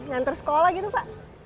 ngantar sekolah gitu pak